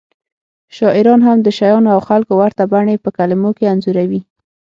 شاعران هم د شیانو او خلکو ورته بڼې په کلمو کې انځوروي